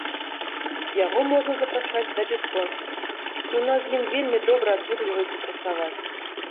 Яго можна запрашаць да бясконцасці, і ў нас з ім вельмі добра атрымліваецца працаваць.